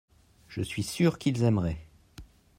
je suis sûr qu'ils aimeraient.